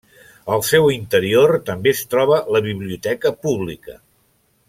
Al seu interior també es troba la biblioteca pública.